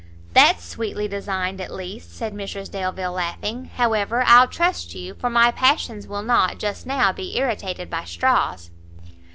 "That's sweetly designed, at least!" said Mrs Delvile, laughing; "however, I'll trust you, for my passions will not, just now, be irritated by straws."